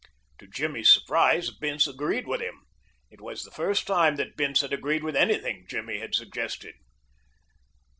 To Jimmy's surprise, Bince agreed with him. It was the first time that Bince had agreed with anything Jimmy had suggested.